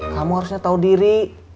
kamu harusnya tau diri